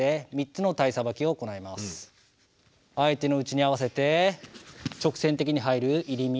相手の打ちに合わせて直線的に入る「入り身」。